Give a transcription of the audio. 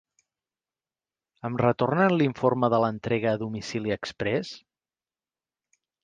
Em retornen l'informe de l'entrega a domicili expres?